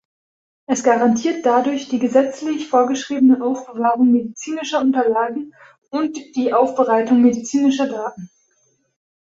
Es garantierte dadurch die gesetzlich vorgeschriebene Aufbewahrung medizinischer Unterlagen und die Aufbereitung medizinischer Daten.